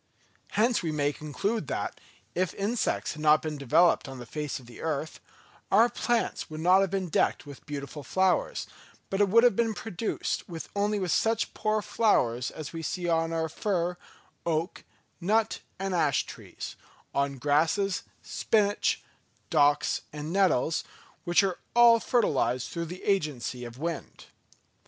Hence, we may conclude that, if insects had not been developed on the face of the earth, our plants would not have been decked with beautiful flowers, but would have produced only such poor flowers as we see on our fir, oak, nut and ash trees, on grasses, spinach, docks and nettles, which are all fertilised through the agency of the wind.